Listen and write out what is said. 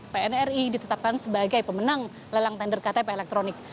pnri ditetapkan sebagai pemenang lelang tender ktp elektronik